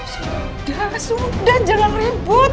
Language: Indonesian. sudah sudah jangan ribut